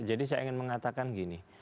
saya ingin mengatakan gini